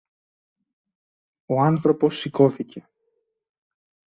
Ο άνθρωπος σηκώθηκε